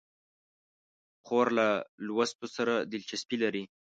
خور له لوستو سره دلچسپي لري.